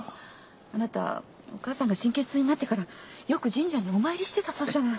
あなたお母さんが神経痛になってからよく神社にお参りしてたそうじゃない。